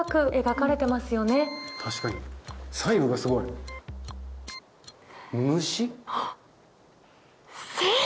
確かに細部がすごい。はっ！